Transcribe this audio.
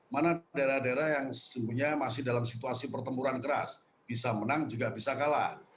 mana daerah daerah yang sesungguhnya masih dalam situasi pertempuran keras bisa menang juga bisa kalah